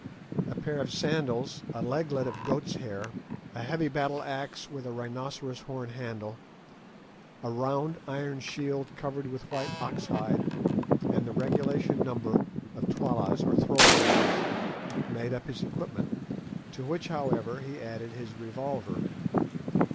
A pair of sandals, a leglet of goat's hair, a heavy battle axe with a rhinoceros horn handle, a round iron shield covered with white ox hide, and the regulation number of tollas, or throwing knives, made up his equipment, to which, however, he added his revolver.